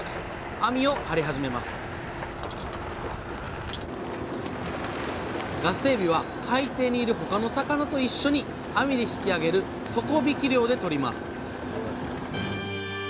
網を張り始めますガスエビは海底にいる他の魚と一緒に網で引き上げる底引き漁でとります